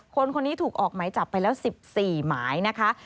คนนี้ถูกออกหมายจับไปแล้ว๑๔หมายนะคะ